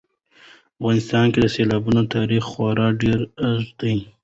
په افغانستان کې د سیلابونو تاریخ خورا ډېر اوږد دی.